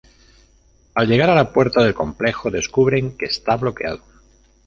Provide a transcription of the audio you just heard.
Al llegar a la puerta del complejo, descubren que está bloqueado.